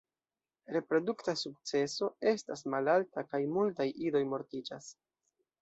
Reprodukta sukceso estas malalta kaj multaj idoj mortiĝas.